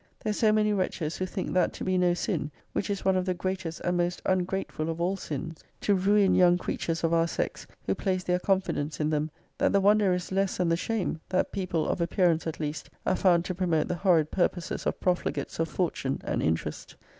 >>> There are so many wretches who think that to be no sin, which is one of the greatest and most ungrateful of all sins, to ruin young creatures of our sex who place their confidence in them; that the wonder is less than the shame, that people, of appearance at least, are found to promote the horrid purposes of profligates of fortune and interest!